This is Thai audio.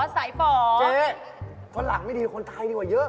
เจ๊ฝรั่งไม่ดีคนไทยดีกว่าเยอะ